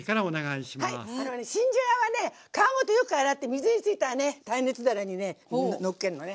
新じゃがはね皮ごとよく洗って水ついたらね耐熱皿にねのっけるのね。